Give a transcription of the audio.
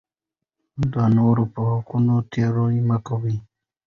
د نورو په حقونو تېری مه کوئ.